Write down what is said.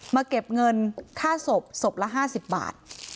เก็บเงินค่าศพศพละ๕๐บาท